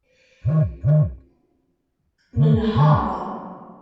Nenheṛ.